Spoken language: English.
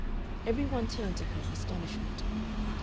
Every one turned to her in astonishment.